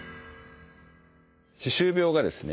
歯周病がですね